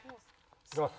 いきます。